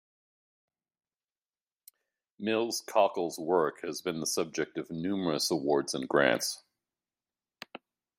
Mills-Cockell's work has been the subject of numerous awards and grants.